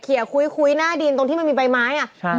คุยหน้าดินตรงที่มันมีใบไม้อ่ะ